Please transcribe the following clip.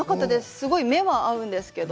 すごい目は合うんですけど。